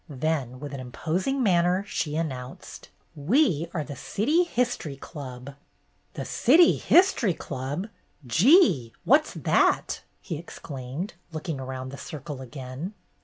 Then with an imposing manner, she announced: "We are the City History Club!'' "The City History Club! Gee, what's that?" he exclaimed, looking around the circle again.